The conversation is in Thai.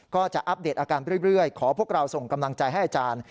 ก็จะอัปเดตอาการไปเรื่อยขอพวกเราส่งกำลังใจให้อาจารย์